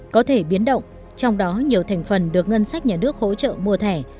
có thể biến động trong đó nhiều thành phần được ngân sách nhà nước hỗ trợ mua thẻ